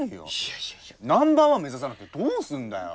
ナンバーワン目指さなくてどうすんだよ。